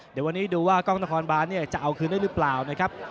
เดี๋ยววันนี้ดูว่ากล้องนครบานเนี่ยจะเอาคืนได้หรือเปล่านะครับ